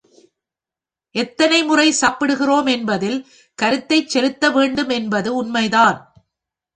எத்தனைமுறை சாப்பிடுகிறோம் என்பதில் கருத்தைச் செலுத்த வேண்டும் என்பது உண்மைதான்.